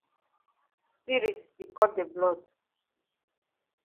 Spirit di cut de blood.